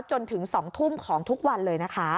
จนถึง๒ทุ่มของทุกวันเลยนะคะ